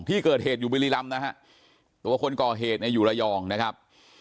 ที่เกิดเหตุอยู่บุรีรำนะฮะตัวคนก่อเหตุเนี่ยอยู่ระยองนะครับ